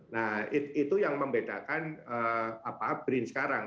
nah itu yang membedakan brin sekarang